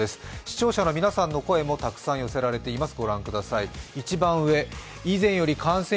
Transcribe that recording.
視聴者の皆さんの声もたくさん寄せられています。